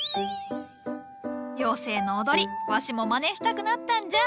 妖精の踊りわしもまねしたくなったんじゃ。